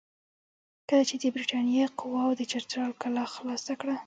کله چې د برټانیې قواوو د چترال کلا خلاصه کړه.